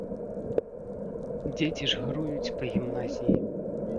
Дзеці ж гаруюць па гімназіі.